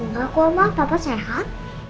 gak koma papa sehat